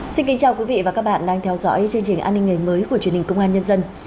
xin kính chào quý vị và các bạn đang theo dõi chương trình an ninh ngày mới của truyền hình công an nhân dân